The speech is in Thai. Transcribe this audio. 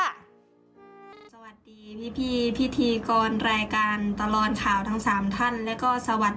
สนึกสร้างศิลปะวัฒนธรรมหนูอยากเป็นแรงบันดาลใจให้เด็กรุ่นใหม่